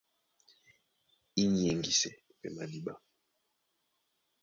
Í nyɛŋgísɛ́ pɛ́ madíɓá.